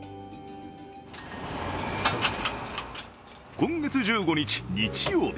今月１５日、日曜日。